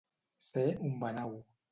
Ser un banau.